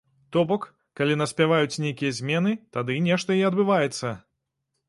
То бок, калі наспяваюць нейкія змены, тады нешта і адбываецца.